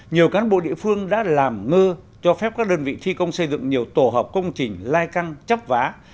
nhiều cán bộ địa phương đã làm ngơ cho phép các đơn vị thi công xây dựng nhiều tổ hợp công trình lai căng chóc vá